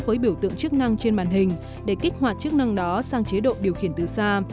với biểu tượng chức năng trên màn hình để kích hoạt chức năng đó sang chế độ điều khiển từ xa